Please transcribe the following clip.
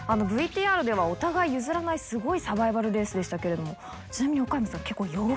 ＶＴＲではお互い譲らないすごいサバイバルレースでしたけれども。